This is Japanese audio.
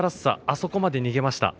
あそこまで逃げました。